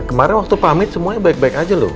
kemarin waktu pamit semuanya baik baik aja loh